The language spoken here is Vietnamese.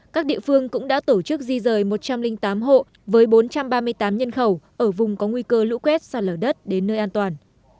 các địa phương cũng đã tổ chức di rời một trăm linh tám hộ với bốn trăm ba mươi tám nhân khẩu ở vùng có nguy cơ lũ quét sạt lở đất đến nơi an toàn